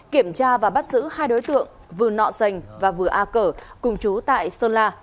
kiểm tra và bắt giữ hai đối tượng vừa nọ sành và vừa a cở cùng chú tại sơn la